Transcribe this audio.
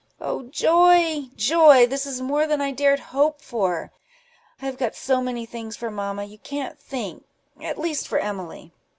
"Oh, joy! joy! this was more than I dared to hope for! I have got so many things for mamma, you can't think—at least for Emily."